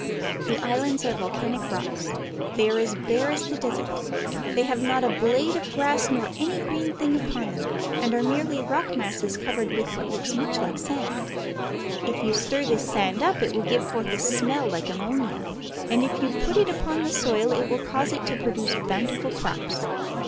The islands are volcanic rocks. They are as bare as the desert. They have not a blade of grass or any green thing upon them, and are merely rock masses covered with what looks much Hke sand. If you stir this sand up it will give forth a smell like ammonia, and if you put it upon the soil it will cause it to produce bountiful crops.